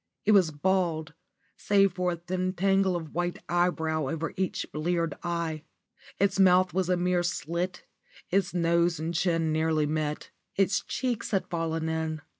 It was bald, save for a thin tangle of white eyebrow over each bleared eye. Its mouth was a mere slit, its nose and chin nearly met, its cheeks had fallen in.